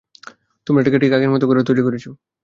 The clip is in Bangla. তোমারা এটাকে ঠিক আগের মতো করে তৈরি করেছ।